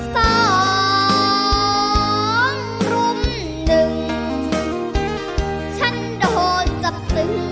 สองรุ่มหนึ่งฉันโดนจับศึก